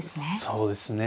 そうですね。